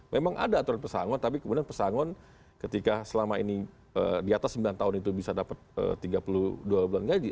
memang ada aturan pesangon tapi kemudian pesangon ketika selama ini di atas sembilan tahun itu bisa dapat tiga puluh dua bulan gaji